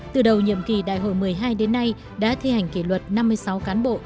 từ đầu nhiệm kỳ đại hội một mươi hai đến nay đã thi hành kỷ luật năm mươi sáu cán bộ